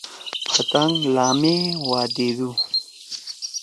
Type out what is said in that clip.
پتانگ لامے وا دیدُو۔